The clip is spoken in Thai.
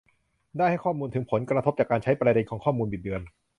ได้ให้ข้อมูลถึงผลกระทบจากการใช้ประเด็นของข้อมูลบิดเบือน